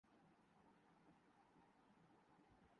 دیکھیے اب جماعت اسلامی کا کیا موقف سامنے آتا ہے۔